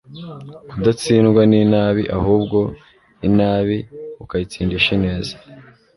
kudatsindwa n'inabi ahubwo inabi ukayitsindisha ineza